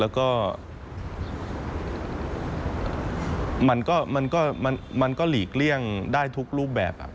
แล้วก็มันก็หลีกเลี่ยงได้ทุกรูปแบบ